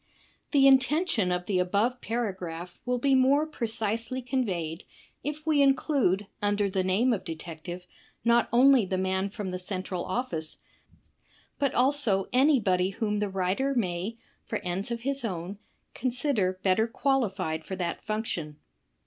I The intention of the above paragraph will be more precisely conveyed if we include imder the name of detect ive not only the man from the central oflSce, but also any body whom the writer may, for ends of his own, consider better qualified for that function.